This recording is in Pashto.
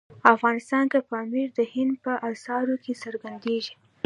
افغانستان کې پامیر د هنر په اثارو کې څرګندېږي.